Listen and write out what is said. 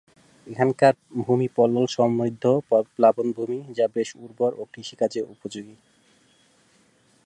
এখানকার ভূমি পলল সমৃদ্ধ প্লাবনভূমি, যা বেশ উর্বর ও কৃষি কাজের উপযোগী।